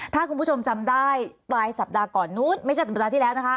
ถ้าคุณผู้ชมจำได้ปลายสัปดาห์ก่อนนู้นไม่ใช่สัปดาห์ที่แล้วนะคะ